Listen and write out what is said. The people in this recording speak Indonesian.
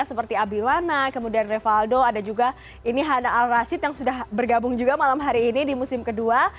seperti abiwana kemudian revaldo ada juga ini hana al rashid yang sudah bergabung juga malam hari ini di musim kedua